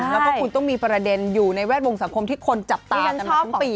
แล้วก็คุณต้องมีประเด็นอยู่ในแวดวงสังคมที่คนจับตากันมาทั้งปี